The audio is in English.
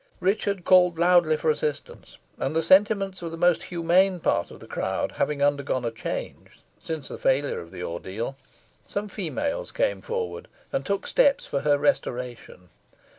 Richard called loudly for assistance, and the sentiments of the most humane part of the crowd having undergone a change since the failure of the ordeal, some females came forward, and took steps for her restoration.